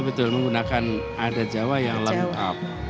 betul menggunakan adat jawa yang lengkap